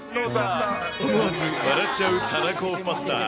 思わず笑っちゃうたらこパスタ。